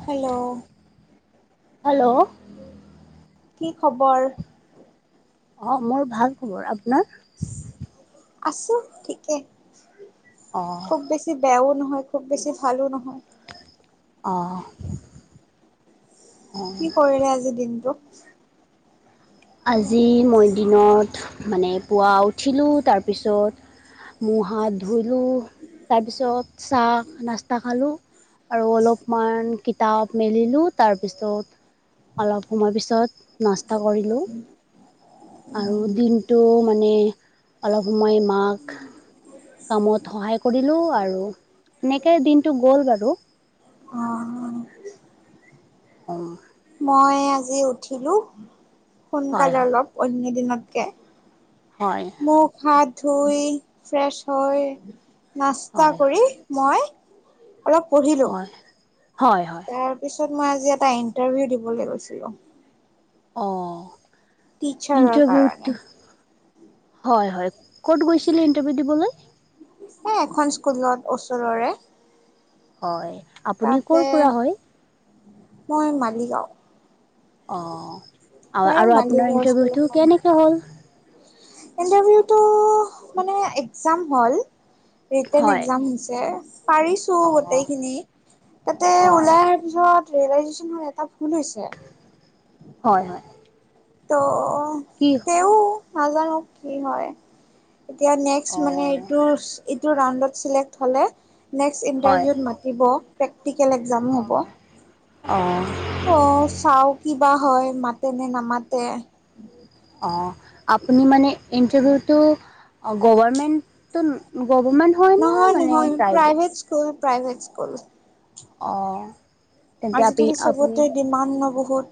Hello. Hello. কি খবৰ? অ মোৰ ভাল খবৰ। আপোনাৰ? আছো ঠিকে, অঁ খুব বেছি বেয়াও নহয় খুব বেছি ভালো নহয়। অ। কি কৰিলে আজি দিনটো? আজি মই দিনত মানে পুৱা উঠিলোঁ তাৰপিছত মু হাত ধুলো, তাৰপিছত চাহ-নাস্তা খালো। আৰু অলপমান কিতাপ মেলিলো, তাৰপিছত অলপ সময় পিছত নাস্তা কৰিলো। আৰু দিনটো মানে অলপ সময় মাক কামত সহায় কৰিলো, আৰু এনেকে দিনটো গ'ল বাৰু। অ', অ। মই আজি উঠিলো হয় সোনকালে অলপ অন্য দিনতকে। হয়। মুখ-হাত ধুই ফ্ৰেছ হৈ নাস্তা হয় হয় হয় কৰি মই অলপ পঢ়ি হয়, হয়, হয়। তাৰ পিছত মই আজি এটা ইন্টাৰভিউ দিবলে গৈছিলো। অ, টিচাৰৰ কাৰণে। ইণ্টাৰভিউটো হয়, হয়। ক'ত গৈছিলে ইন্টাৰভিউ দিবলৈ? এ এখন স্কুলত ওচৰৰে। হয়। আপুনি তাতে, ক'ৰ পৰা হয় মই মালিগাঁও। অ, আ তাৰে আৰু আপোনাৰ মালিগাঁওৰ স্কুল ইণ্টাৰভিউটো এখন। কেনেকে হ'ল? ইণ্টাৰভিউটো মানে একজাম হ'ল। ৰিটেন হয় একজাম হৈছে। পাৰিছো অ' গোটেইখিনি, তাতে হয় ওলাই আ যোৱাত ৰিয়েলাইজেচনটো এটা ভুল হৈছে। হয়, হয়। ত কি নাজানো কি হয়? এতিয়া নেক্স মানে অ' এইটো এইটো ৰাউণ্ডত চিলেক্ট হ'লে নেক্সট হয় ইণ্টাৰভিউত মাতিব। প্ৰেক্টিকেল একজামো হ'ব। অ' অ। ত চাও কিবা হয়, মাতে নে নামাতে? অ, আপুনি মানে ইণ্টাৰভিউটো গভৰমেণ্টটো গভৰমেণ্ট নহয়, নহয়। Private school, private school. অ। তেন্তে আপি আজি-কালি আপুনি চবতে ডিমাণ্ড ন বহুত।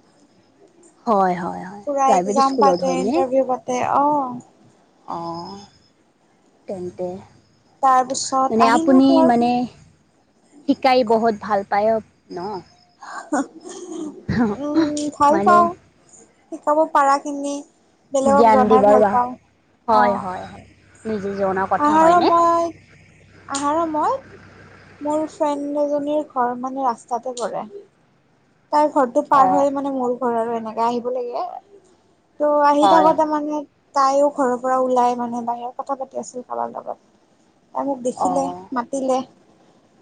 হয়, হয়, হয়। পুৰা প্ৰাইভেট এক্জাম স্কুলত পাতে হয়নে? ইন্টাৰভিউ পাতে অ', অ তেন্তে তাৰপিছত মানে আহিলো আপুনি ঘৰ মানে শিকাই বহুত ভাল পায় ন? উম ভাল মানে পাও। শিকাব পাৰাখিনি জ্ঞান দি বাৰ বা হয়, হয়, নিজে জনা কথা আহাৰো হয়নে মই আহাৰ মই মোৰ ফ্ৰেণ্ড এজনীৰ ঘৰ মানে ৰাস্তাতে পৰে। তাৰ ঘৰটো পাৰ অঁ হৈ মানে মোৰ ঘৰ আৰু এনেকে আহিব লাগে। ত' আহি হয় থাকোতে মানে তাইও ঘৰৰ পৰা ওলাই মানে বাহিৰত কথা পাতি আছিল কাবাৰ লগত। অ, মোক দেখিলে অঁ মাতিলে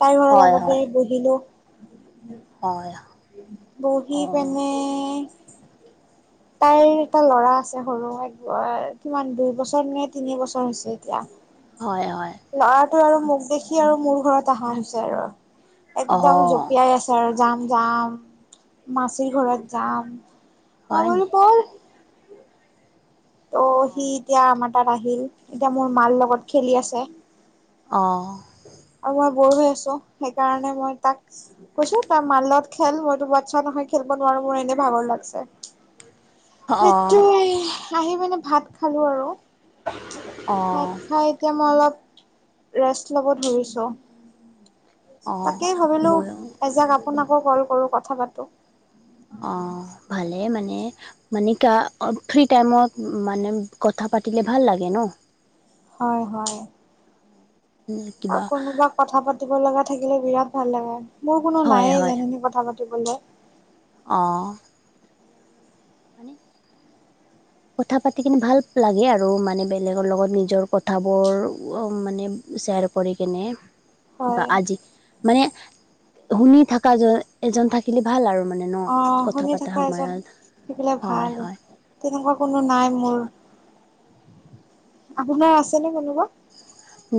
তাইৰ ঘৰত হয় অলপ হয় দেৰি বহিলো হয়। বহি অঁ পেনে তাইৰ এটা ল'ৰা আছে সৰু এক কিমান দুই বছৰ নে তিনি বছৰ হৈছে এতিয়া। হয়, অয়। ল'ৰাটো আৰু মোক দেখি আৰু মোৰ ঘৰত আহা হৈছে আৰু একদম অঁ জঁপিয়াই আছে। যাম -যাম মাচিৰ ঘৰত যাম হয় মই বোলো নি বল ত' সি অঁ এতিয়া আমাৰ তাত আহিল এতিয়া মোৰ মাৰ লগত খেলি আছে। অ', অ, মই বৰ হৈ আছো সেইকাৰণে মই তাক কৈছোঁ তই মাৰ লগত খেল মইতো বাচ্ছা নহয় খেলব নোৱাৰো মোৰ এনেই ভাগৰ লাগছে অঁ সেইটোৱে আহি মানে ভাত খালো আৰু অঁ ভাত খাই এতিয়া মই অলপ ৰেষ্ট লব ধৰিছো। অঁ তাকেই ভাবিলো ময়ো এজাক আপোনাকো ক'ল কৰো কথা পাতো। অ, ভালেই মানে মানে কা ফ্ৰী টাইমত মানে কথা পাতিলে ভাল লাগে ন'? হয়- হয়। অ, কিবা কোনোবা কথা পাতিব লগা থাকিলে বিৰাট ভাল লাগে মোৰ কোনো হয় নায়ে জানেনে কথা পাত পাতিবলে। অ', হয়নে? কথা পাতি কিনে ভাল লাগে আৰু মানে বেলেগৰ লগত নিজৰ কথাবোৰ মানে ছেয়েৰ কৰি কিনে। বা হয়। আজি মানে শুনি থাকা এজন থাকিলে ভাল আৰু মান অ, শুনি থাকা এজন থাকিলে হয় ভাল হয় তেনেকুৱা কোনো নাই মোৰ। আপোনাৰ আছে নে কোনোবা?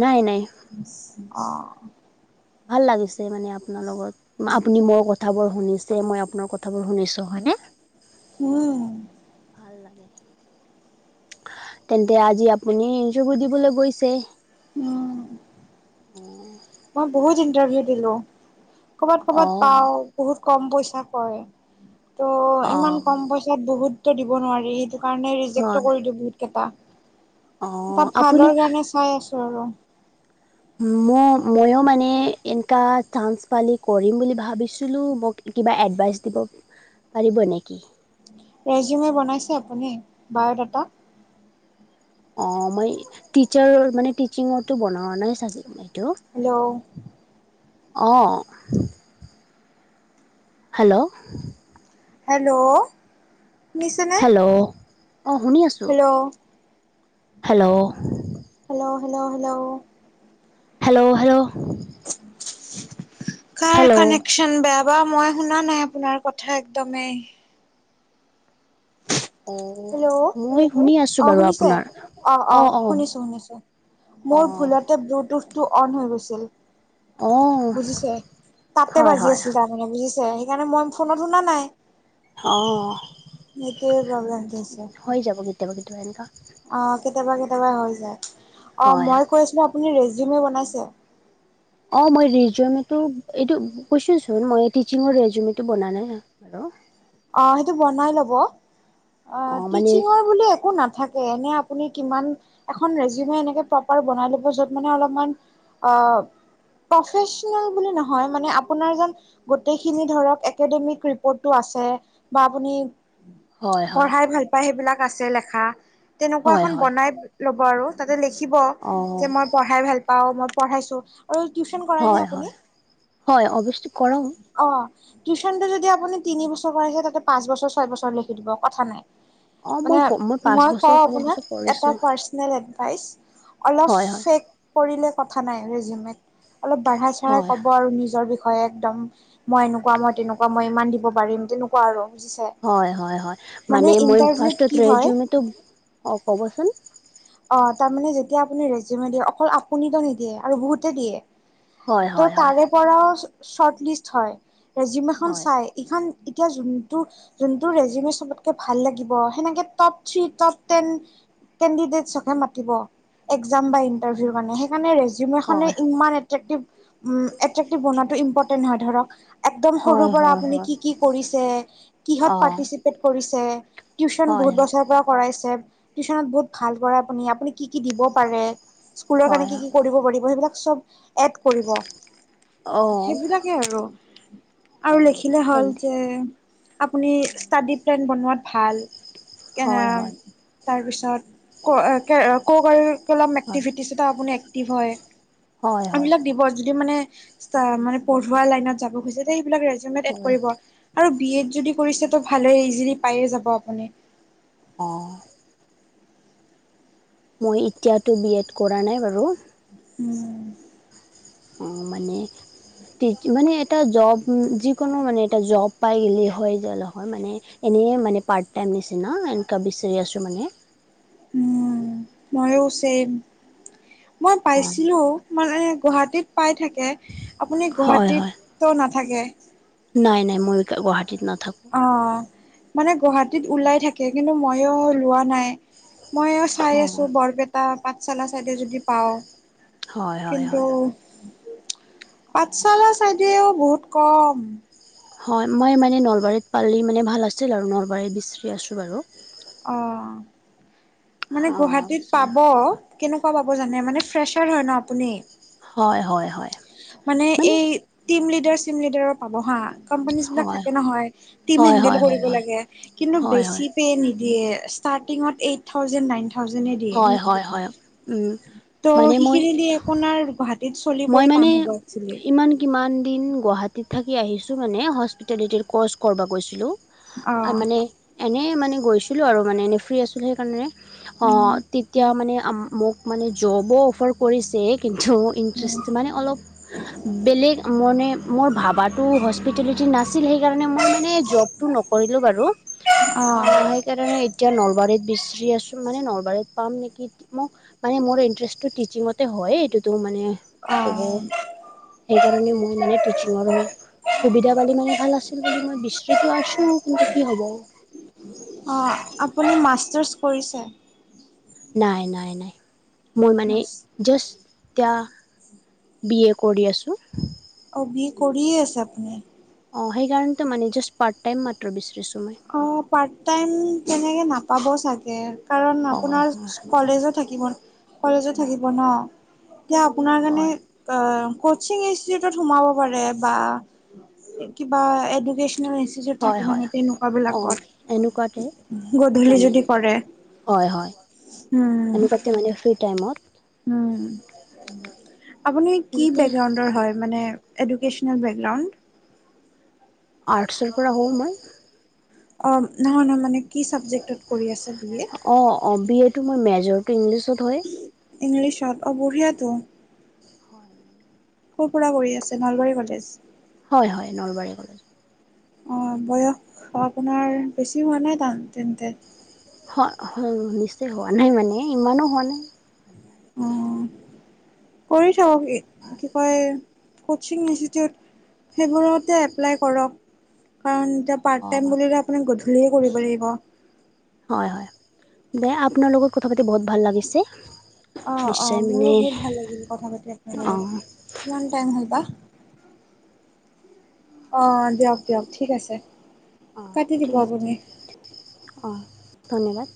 নাই -নাই [unintelligible] অ, ভাল লাগিছে মানে আপোনাৰ লগত আপুনি মোৰ কথাবোৰ শুনিছে মই আপোনাৰ কথাবোৰ শুনিছো হয়নে? হুম। ভাল লাগে। তেন্তে আজি আপুনি [unintelligible] দিবলৈ গৈছে? [unintelligible] মই বহুত ইন্টাৰভিউ দিলো ক'বাত- অ ক'বাত পাওঁ বহুত কম পইচা কয় ত' অ ইমান কম পইচাত বহুততো দিব নোৱাৰি কাৰণে ৰিজেক্ট টো হয় কৰি দে বহুত কেইটা অ এটা আপুনি ভালৰ কাৰণে চাই আছো আৰু। ম- ময় মানে এনকা চান্স পালি কৰিম বুলি ভাবিছিলো মোক কিবা এডভাইচ দিব পাৰিব নেকি? ৰেজিউমে বনাইছে আপুনি বায়ডাটা? অ, মই টিচাৰৰ মানে টিচিঙৰটো বনাৱা নাই চাগে মানে এইটো। হেল্ল', অ', হেল্ল', হেল্ল', শুনিছেনে? হেল্ল', অ, শুনি আছো hello hello, hello, hello, hello, hello, hello, কাৰ হেল্ল' কানেকচন বেয়া? ৰবা মই শুনা নাই আপোনাৰ কথা একদমেই। অঁ হেল্ল' মই শুনি আছোঁ অ বাৰু শুনিছে? আপোনাৰ অ-অ অঁ অঁ শুনিছো, শুনিছো। মোৰ অঁ ভুলতে ব্লুটুথটো অন হৈ গৈছিল। অঁ বুজিছে? তাতে হয় বাজি হয় আছিল তাৰমানে, বুজিছে? সেইকাৰণে মই ফোনত শুনা নাই। অ। সেইটোৱে প্ৰব্লেম দি আছে। হৈ যাব কেতিয়াবা কেতিয়াবা এনেকা। অ কেতিয়াবা কেতিয়াবা হৈ যায়। অ হয় হয়। মই কৈ আছিলো আপুনি ৰেজিউমি বনাইছে? অ মই ৰেজিমিউটো, এইটো কৈছোৱেচোন মই টিচিঙৰ ৰেজিমিওটো বনা নাই। হেল্ল'। অ সেইটো বনাই ল'ব, আ অ মানে টিছিঙৰ বুলি একো নাথা কে এনে আপুনি কিমান এখন ৰেজিউমি এনে হয় প্ৰপাৰ বনাই ল'ব যত মানে অলপমান অ প্ৰফেচনেল বুলি নহয়, মানে আপোনাৰ যেন গোটেইখিনি ধৰক একাডেমিক ৰিপৰ্টটো আছে। বা আপুনি হয় পঢ়াই ভাল পায় সেইবিলাক আছে লেখা। তেনেকুৱা হয় এখন হয় বনাই ল'ব আৰু তাতে লেখিব অ যে মই পঢ়াই ভাল পাও, মই পঢ়াইছো। আৰু টিউচন কৰাই নে হয় আপুনি? হয় হয় অৱশ্যে কৰোঁ অ টিউচনটো যদি আপুনি তিনি বছৰ কৰাইছে তাতে পাঁচ বছৰ, ছয় বছৰ লিখি দিব কথা নাই। অ মানে মই পাঁচ মই বছৰ কও ছয় আপোনাক বছৰ এটা কৰিছোঁ পাৰ্ছনেল এডভাইচ অলপ হয় হয় ফেক কৰিলে কথা নাই ৰেজিউমিত। অলপ বাঢ়াই-চাঢ়াই হয় ক'ব আৰু নিজৰ বিষ হয় একদম মই এনেকুৱা, মই তেনেকুৱা, মই ইমান দিব পাৰিম। তেনেকুৱা আৰু বুজিছে? হয়, হয়, হয়। মানে মই ইন্টাৰভিউত ফাৰ্ষ্টত কি হয় ৰেজিউমিটো, অ ক'বচোন। অ তাৰমানে যেতিয়া আপুনি ৰেজিউমি দিয়ে অকল আপুনিতো নিদিয়ে আৰু বহুতে দিয়ে। হয় হয় ত' হয় তাৰে পৰাও চ-চৰ্ট লিষ্ট হয়। ৰেজিউমিখন হয় চাই ইখন এতিয়া যোনটো যোনটো ৰেজিউমি চবতকে ভাল লাগিব সেনেকে টপ থ্ৰী, টপ টেন কেণ্ডিদেটছকহে মাতি এক্সাম বা ইন্টাৰভিউ কাৰণে। সে মানে ৰেজিউমি খনে হয় ইমান এট্ৰেকটিভ উম এট্ৰেক্টিভ বনাৱাটো ইম্পৰ্টেন্ট হয় ধৰা। একদম সৰুৰ হয় পৰা হয় আপুনি হয় কি কি কৰিছে, কিহত অ পাৰ্টিচিপেট কৰিছে, টিউচন হয় বহুত হয় বছৰৰ পৰা কৰাইছে টিউচনত বহুত পঢ়ায় আপুনি, আপুনি কি কি দিব পাৰে স্কুলৰ কাৰণে হয় কি হয় কি কৰিব পাৰিব সেইবিলাক চব এড কৰিব। অ সেইবিলাকেই আৰু অ আৰু লেখিলে হ'ল তেন্তে যে আপুনি ষ্টাডি প্লেন বনোৱাত ভাল, কে হয় হয় তাৰপিছত ক-কো-কাৰিকুলাম হয় এক্টিভিটিছ আপুনি এক্টিভ হয় হয় হয় এইবিলাক দিব। যদি মানে মানে পঢ়োৱা লাইনত যাব খুজে তে সেইবিলাক ৰেজিউমিত এড হয় কৰিব। আৰু বি এড যদি কৰিছে তো ভালেই, ইজিলি পায়ে যাব আপুনি। অ। মই এতিয়াতো বি এড কৰা নাই বাৰু। উম। অ মানে টি মানে এটা জব যিকোনো মানে এটা জব পাই গেলি হয় গেল হয় মানে। এনেই মানে পাৰ্ট টাইম নিচিনা এনেকোৱা বিচাৰি আছো মানে। উম, মইও চেম। মই অ পাইছিলো। মানে গুৱাহাটীত পাই থাকে। আপুনি হয় হয় গুৱাহাটীতটো নাথাকে? নাই, নাই মই গুৱাহাটীত নাথাকো। অ মানে গুৱাহাটীত ওলাই থাকে, কিন্তু মইয়ো লোৱা নাই। মইও চাই অ আছো বৰপেটা, পাঠশালা চাইডে যদি পাও। হয় হয় কিন্তু। হয় অ পাঠশালা চাইডিয়েও বহুত কম। হয় মই মানে নলবাৰীত পালি মানে ভাল আছিল আৰু নলবাৰীত বিচাৰি আছোঁ বাৰু। অ' মানে অ গুৱাহাটীত চাম পাব। কেনেকুৱা পাব জানে মানে ফ্ৰেচাৰ হয় ন আপুনি হয় হয় হয় মানে এই। টিম লিডাৰ চিম লিডাৰৰ পাব হা। কোম্পানীচ বিলাক হয় থাকে নহয় টীম হয় হেণ্ডেল হয় হয় কৰিব হয় লাগে কিন্তু হয় হয় বেছি পে নি দিয়ে ষ্টাৰ্টটিংত এইট থাউজেণ্ড নাইন থাউজেণ্ড হয় -হয় -হয় উম ত' মানে মই সেইখিনি দি আপোনাৰ গুৱাহাটীত মই চলিবই মানে টান হব একচোয়েলি। ইমান কিমান দিন গুৱাহাটীত থাকি আহিছো মানে হস্পিটেলিটিৰ কৰ্চ কৰিব গৈছিলো। অ আ মানে এনে মানে গৈছিলো আৰু মানে এনে ফ্ৰী আছিল সেইকাৰণে। উম তেতিয়া মানে মোক মানে জবো অফাৰ কৰিছে কিন্তু। মানে অলপ বেলেগ মানে মোৰ ভাবাটো হস্পিটেলিটি নাচ নাছিল সেইকাৰণে মই মানে জব টো নকৰিলোঁ বাৰু অ অ এ সেইকাৰণে। এতিয়া নলবাৰীত বিচৰি আছো মানে নলবাৰীত পাম নেকি মোক। মানে মোৰ ইণ্টাৰেষ্টটো টিচিঙতে হয় এইটোতো মানে ক'ব। সেইকাৰণে মই মানে টিচিঙৰ লগত। সুবিধা পালে মানে ভাল আছিল বুলি মই বিচৰি টো আছোঁ কিন্তু কি হ'ব। অ' আপুনি মাষ্টাৰ্ছ কৰিছে? নাই নাই নাই মই মানে। মাষ্টাৰ জাষ্ট এয়া বি এ কৰি আছোঁ। অ' বি এ কৰিয়ে আছে আপুনি! অ' সেইকাৰণটো মানে জাষ্ট পাৰ্ট টাইম মাত্ৰ বিচাৰিছোঁ মই। অ' পাৰ্ট টাইম কেনেকৈ নাপাব চাগে। কাৰণ হয় আপোনাৰ হয় কলেজো থাকিব কলেজো থাকিব ন' এতিয়া আপোনাৰ কাৰণে হয় কচিং ইষ্টিটিউটত সোমাব পাৰে বা। কিবা এডুকেচনেল ইষ্টিটিউদ হয় থাকে হয় নহয় তেনেকুৱা অঁ বিলাকত এনেকুৱাতে গধূলি মানে যদি কৰে হয় হয় উম [unintelligible] মানে ফ্ৰী টাইমত উম আপুনি কি তেন্তে বেকগ্ৰাউণ্ডৰ হয় মানে। Educational background. আৰ্টছৰ পৰা হ'ও মই। অ' নহয়- নহয় মানে কি চাবজেক্টত কৰি আছা বি এ অ' অ' বি এ টো মই মেজৰটো ইংলিছত হয়। ইংলিছত অ' বঢ়িয়াটো। হয় মানে ক'ৰ পৰা কৰি আছে নলবাৰী কলেজ। হয় -হয় নলবাৰী কলেজ। অ' বয়স আপোনাৰ বেছি হোৱা নাই তা তেন্তে। হ হয়, নিশ্চয় হোৱা নাই মানে ইমানো হোৱা নাই। মানে আৰু অ' কৰি থাকক কি কয় কচিং ইনষ্টিটিউট। সেইবোৰতে এপ্লাই কৰক কাৰণ এতিয়া। পাৰ্ট অঁ টাইম বুলিলে আপোনাৰ গধূলিহে কৰিব লাগিব। হয় হয় দে আপোনাৰ লগত কথা পাতি বহুত ভাল লাগিছে। অ' অ' নিশ্চয় মানে মোৰো বহুত ভাল লাগিল কথা পাতি আপোনাৰ অঁ লগত কিমান টাইম হল বা। অ' দিয়ক দিয়ক ঠিক আছে। অঁ কাটি দিব ঠিক আছে আপুনি অ' ধন্যবাদ।